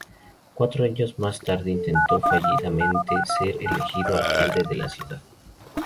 Cuatro años más tarde intentó fallidamente ser elegido alcalde de la ciudad.